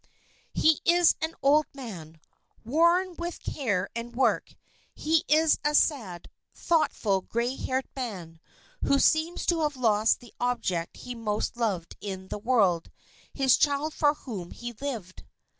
"He is an old man, worn with care and work. He is a sad, thoughtful, gray haired man, who seems to have lost the object he most loved in the world his child for whom he lived."